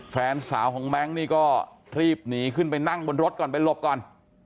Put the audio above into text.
แฟนสาวของแบงค์นี่ก็รีบหนีขึ้นไปนั่งบนรถก่อนไปหลบก่อน